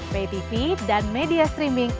btv dan media streaming